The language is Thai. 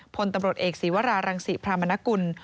พลตำรวจเอกศีวรารังศิพรามนกุล